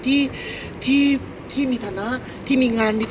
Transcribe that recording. พี่อัดมาสองวันไม่มีใครรู้หรอก